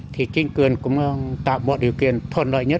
thì chính quyền cũng tạo mọi điều kiện thuận lợi nhất